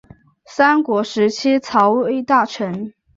三国时期曹魏大臣。